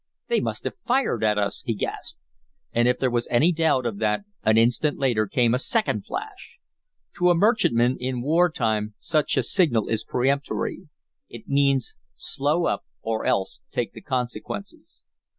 "They must have fired at us!" he gasped. And if there was any doubt of that an instant later came a second flash. To a merchantship in war time such a signal is peremptory. It means slow up or else take the consequences.